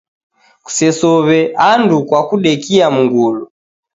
Kusesow'e and kwa kudekia mgulu.